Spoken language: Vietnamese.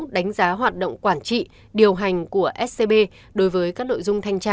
đánh giá hoạt động quản trị điều hành của scb đối với các nội dung thanh tra